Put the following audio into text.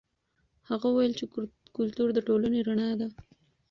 هغه وویل چې کلتور د ټولنې رڼا ده.